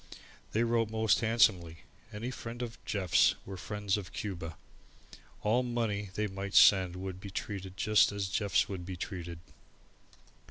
They wrote most handsomely. Any friends of Jeff's were friends of Cuba. All money they might send would be treated just as Jeff's would be treated.